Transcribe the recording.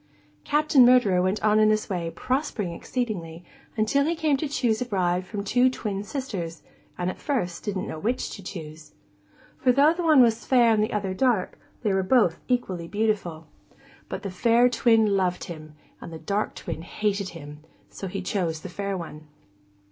Captain Murderer went on in this way, prospering exceedingly, until he came to choose a bride from two twin sisters, and at first didn't know which to choose. For, though one was fair and the other dark, they were both equally beautiful. But the fair twin loved him, and the dark twin hated him, so he chose the fair one.